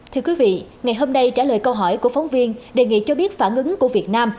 thưa quý vị ngày hôm nay trả lời câu hỏi của phóng viên đề nghị cho biết phản ứng của việt nam